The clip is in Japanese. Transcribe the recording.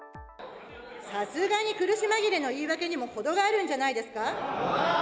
さすがに苦し紛れの言い訳にも程があるんじゃないですか。